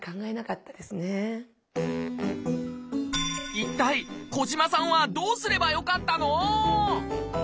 一体小島さんはどうすればよかったの？